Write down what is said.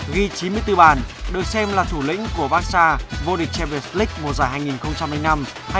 ghi chín mươi bốn bàn được xem là thủ lĩnh của barca vô địch champions league mùa giải hai nghìn năm hai nghìn sáu